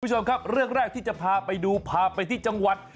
คุณผู้ชมครับเรื่องแรกที่จะพาไปดูพาไปที่จังหวัด